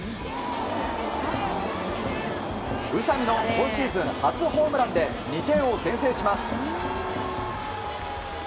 宇佐見の今シーズン初ホームランで２点を先制します。